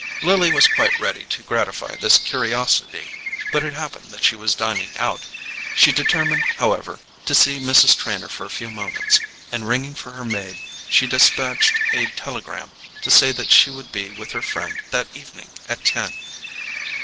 Lily was quite ready to gratify this curiosity, but it happened that she was dining out. She determined, however, to see Mrs. Trenor for a few moments, and ringing for her maid she despatched a telegram to say that she would be with her friend that evening at ten.